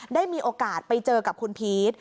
ได้มีโอกาสไปเจอกับคุณพีช